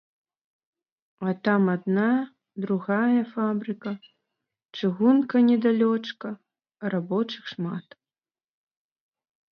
А там адна, другая фабрыка, чыгунка недалёчка, рабочых шмат.